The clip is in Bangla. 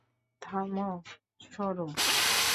থামো, সরো!